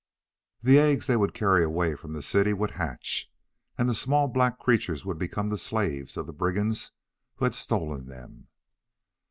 The eggs they would carry away from the city would hatch and the small black creatures would become the slaves of the brigands who had stolen them.